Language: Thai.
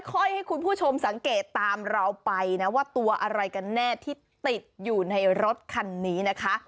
ค่อยให้คุณผู้ชมสังเกตตามเราไปนะว่าตัวอะไรกันแน่ที่ติดอยู่ในรถคันนี้นะคะ